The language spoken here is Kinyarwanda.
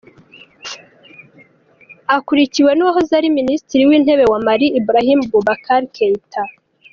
Akurikiwe n’uwahoze ari Minisitiri w’intebe wa Mali, Ibrahim Boubacar Keïta.